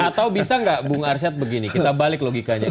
atau bisa nggak bung arsyad begini kita balik logikanya